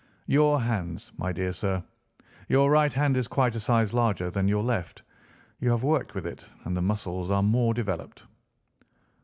"Your hands, my dear sir. Your right hand is quite a size larger than your left. You have worked with it, and the muscles are more developed."